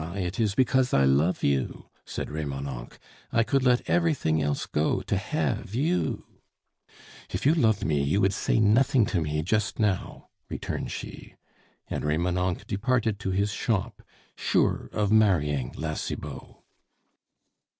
it is because I love you," said Remonencq; "I could let everything else go to have you " "If you loved me, you would say nothing to me just now," returned she. And Remonencq departed to his shop, sure of marrying La Cibot.